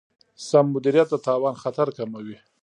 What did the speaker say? سم مدیریت د تاوان خطر کموي.